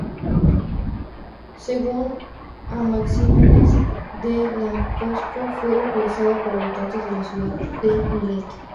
Según Anaxímenes de Lámpsaco, fue colonizada por habitantes de la ciudad de Mileto.